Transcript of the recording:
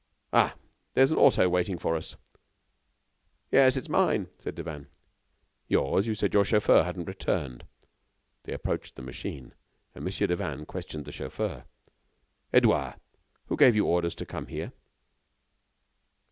"Ah! there's an auto waiting for us." "Yes, it is mine," said Devanne. "Yours? You said your chauffeur hadn't returned." They approached the machine, and Mon. Devanne questioned the chauffer: "Edouard, who gave you orders to come here?"